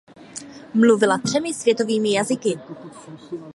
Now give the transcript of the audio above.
Mluvila třemi světovými jazyky.